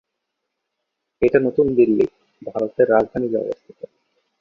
এটা নতুন দিল্লি, ভারতের রাজধানীতে অবস্থিত।